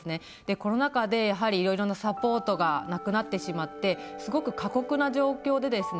コロナ禍でやはりいろいろなサポートがなくなってしまってすごく過酷な状況でですね